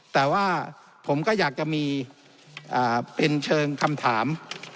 แต่ว่าผมก็อยากจะมีเป็นเชิงคำถาม